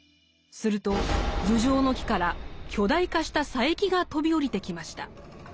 すると頭上の木から巨大化した佐柄木が飛び降りてきました。